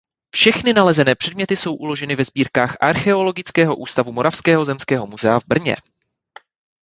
Všechny nalezené předměty jsou uloženy ve sbírkách Archeologického ústavu Moravského zemského muzea v Brně.